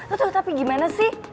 eh tapi gimana sih